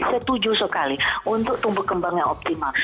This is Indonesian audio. setuju sekali untuk tumbuh kembang yang optimal